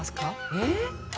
えっ？